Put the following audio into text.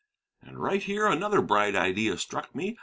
And right here another bright idea struck me.